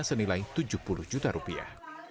senilai tujuh puluh juta rupiah